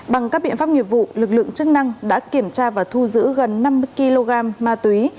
bằng các biện pháp nghiệp vụ lực lượng chức năng đã kiểm tra và thu giữ gần năm mươi kg ma túy